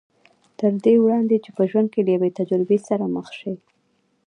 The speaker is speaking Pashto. تر دې وړاندې چې په ژوند کې له يوې تجربې سره مخ شي.